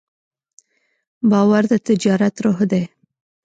باور د تجارت روح دی.